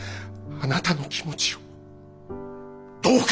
あなたの気持ちをどうか！